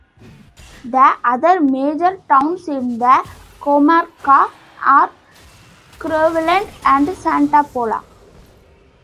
The other major towns in the comarca are Crevillent and Santa Pola.